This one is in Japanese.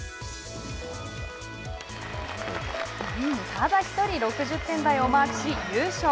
ただ１人６０点台をマークし優勝。